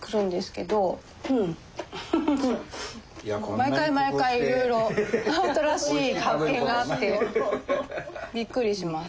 毎回毎回いろいろ新しい発見があってびっくりします。